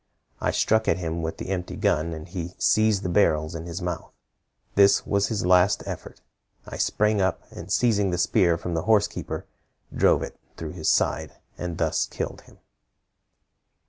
I struck at him with the empty gun, and he seized the barrels in his mouth. This was his last effort. I sprang up, and seizing the spear from the horse keeper, drove it through his side, and thus killed him."